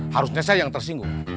harusnya saya yang tersinggung